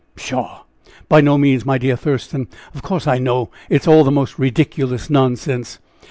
"Pshaw! By no means, my dear Thurston. Of course I know it's all the most ridiculous nonsense!"